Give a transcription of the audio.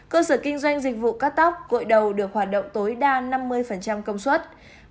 một mươi một cơ sở kinh doanh dịch vụ cắt tóc gội đầu được hoạt động tối đa năm mươi công suất